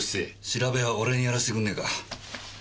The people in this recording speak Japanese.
調べは俺にやらしてくんねえか。